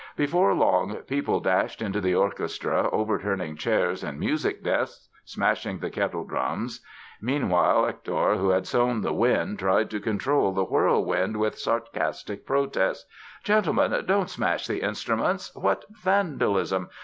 Before long people dashed into the orchestra, overturning chairs and music desks, smashing the kettledrums. Meanwhile, Hector who had sown the wind tried to control the whirlwind with sarcastic protests: "Gentlemen, don't smash the instruments! What vandalism!